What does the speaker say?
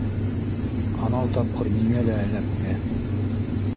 Анау тапҡыр миңә лә эләкте.